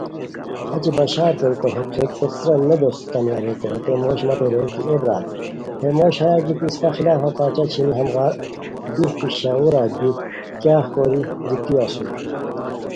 اچہ بشار کوریکو ہے تھویک پیڅھیران نو دوسیتانیہ ریکو ،ہتے موش مت ریر کی اے برار ہے موش ہیہ گیتی اسپہ خلافہ پرچہ چھینی ہموغار بی پشاروا بی کیاغ کوری گیتی اسور